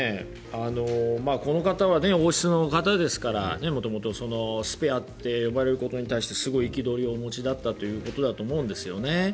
この方は王室の方ですから元々スペアって呼ばれることに対して憤りをお持ちだったんだと思うんですよね。